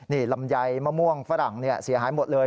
นี่ลำไยมะม่วงฝรั่งเสียหายหมดเลย